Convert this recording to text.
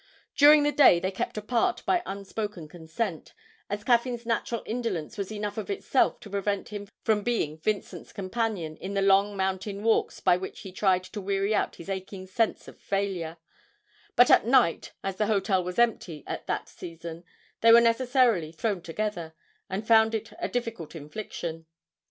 During the day they kept apart by unspoken consent, as Caffyn's natural indolence was enough of itself to prevent him from being Vincent's companion in the long mountain walks by which he tried to weary out his aching sense of failure; but at night, as the hotel was empty at that season, they were necessarily thrown together, and found it a sufficient infliction.